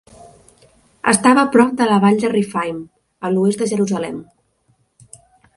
Estava prop de la vall de Rephaim, a l'oest de Jerusalem.